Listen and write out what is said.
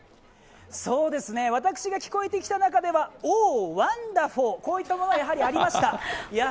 私が聞こえてきた中では、オー・ワンダフル、こういったものがやはりありました。